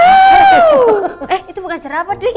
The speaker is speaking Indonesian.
eh itu bukan jerapa dring